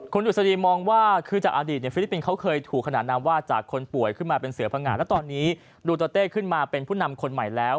คุณอุศดีมองว่าคือจากอดีตฟิลิปปินส์เขาเคยถูกขนาดนามว่าจากคนป่วยขึ้นมาเป็นเสือพังงาและตอนนี้ดูเตอร์เต้ขึ้นมาเป็นผู้นำคนใหม่แล้ว